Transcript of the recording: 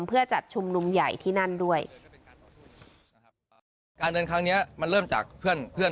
เพื่อจัดชุมนุมใหญ่ที่นั่นด้วยนะครับการเดินครั้งเนี้ยมันเริ่มจากเพื่อนเพื่อน